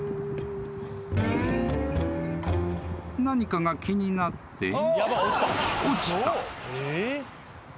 ［何かが気になって］